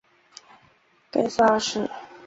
盖萨二世。